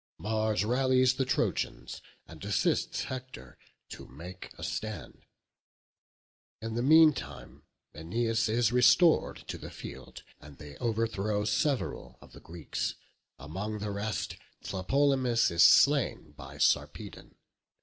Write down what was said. Mars rallies the Trojans, and assists Hector to make a stand. In the mean time Æneas is restored to the field, and they overthrow several of the Greeks; among the rest Tlepolemus is slain by Sarpedon.